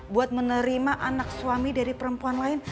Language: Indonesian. buat menerima anak suami dari perempuan lain